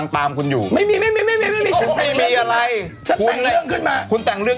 แต่โค้ง